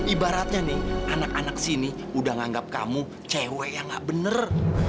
ibaratnya nih anak anak sini udah nganggap kamu cewek yang gak bener